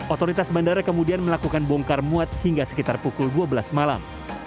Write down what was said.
otoritas bandara kemudian melakukan bongkar muat hingga sekitar pukul dua belas malam